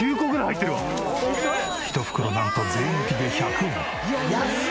１袋なんと税抜きで１００円。